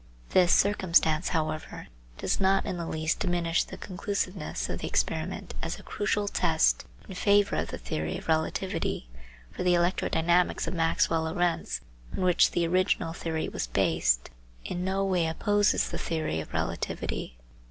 This circumstance, however, does not in the least diminish the conclusiveness of the experiment as a crucial test in favour of the theory of relativity, for the electrodynamics of Maxwell Lorentz, on which the original theory was based, in no way opposes the theory of relativity.